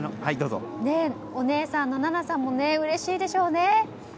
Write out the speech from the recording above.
お姉さんの菜那さんもうれしいでしょうね。